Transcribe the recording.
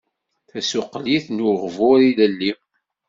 Tasuqilt n ugbur ilelli.